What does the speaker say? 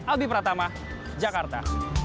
albi pratama jakarta